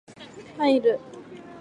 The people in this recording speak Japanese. ファイル